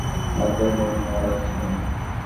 এত মনমরা লাগছে কেন?